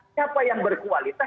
siapa yang berkualitas